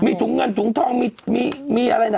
มีถุงเงินถุงทองมีอะไรนะ